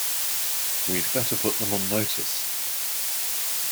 We'd better put them on notice